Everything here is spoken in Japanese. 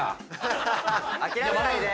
諦めないで！